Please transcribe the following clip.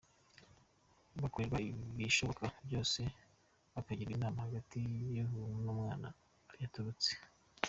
Bakorerwa ibishoboka byose bakagirwa inama hatitawe ku hantu umwana yaturutse.